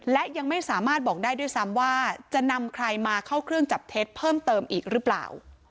และยังไม่สามารถบอกได้ด้วยซ้ำว่าจะนำใครมาเข้าเครื่องจับเท็จเพิ่มเติมอีกหรือเปล่า